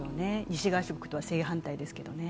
西側諸国とは正反対ですけどね。